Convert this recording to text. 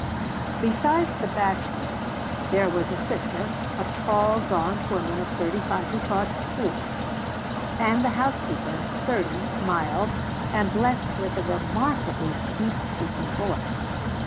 Besides the bachelor there was a sister, a tall gaunt woman of thirty five who taught school, and the housekeeper, thirty, mild, and blessed with a remarkably sweet speaking voice.